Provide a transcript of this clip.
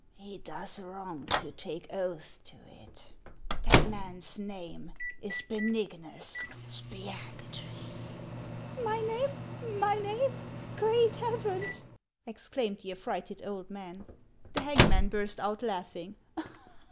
"He docs wrong to take oath to it. That man's name is Benignus Spiagudry." HANS OF ICELAND. 159 " My name ! my name ! Great heavens !" exclaimed the affrighted old man. The hangman burst out laughing.